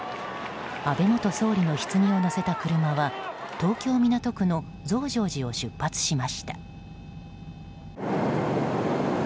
安倍元総理の棺を載せた車は東京・港区の増上寺を出発しました。